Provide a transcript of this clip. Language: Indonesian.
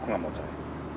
gue gak mau cari